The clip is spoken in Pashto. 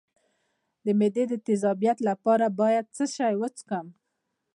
د معدې د تیزابیت لپاره باید څه شی وڅښم؟